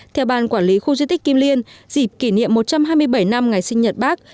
theo ban quản lý khu di tích kim liên dịp kỷ niệm một trăm hai mươi bảy năm ngày sinh nhật bác